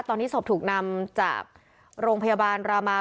ตอนนี้ศพถูกนำจากโรงพยาบาลรามา